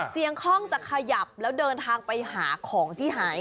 คล่องจะขยับแล้วเดินทางไปหาของที่หาย